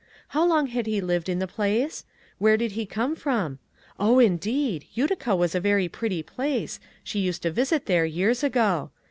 How long had he lived in the place ? Where did he come from ? Oh, indeed I Utica was a very pretty place ; she used to visit there years ago.